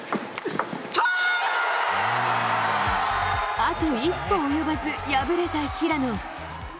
あと一歩及ばず敗れた平野。